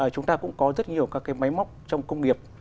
chúng ta cũng có rất nhiều các cái máy móc trong công nghiệp